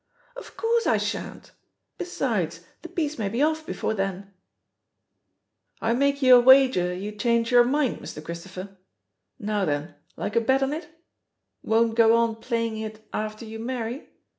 "Of course I shan't I Besides, the piece may be off before then." "I make you a wager you change your mind. THE POSITION OF PEGGY HARPER S28 Mister Christopher. Now then, like a bet on it? * Won't go on playing it after you marry'